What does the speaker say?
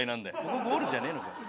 ここゴールじゃねえのかよ。